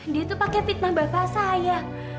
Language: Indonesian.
dia itu pakai fitnah bapak saya